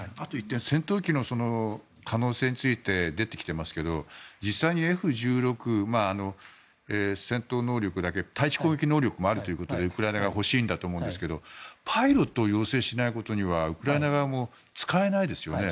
戦闘機の可能性について出てきていますけど実際にＦ１６、戦闘能力だけ対地攻撃能力があるということでウクライナ側が欲しいんだと思うんですがパイロットを要請しないことにはウクライナ側も使えないですよね。